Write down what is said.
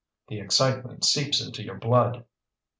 The excitement seeps into your blood."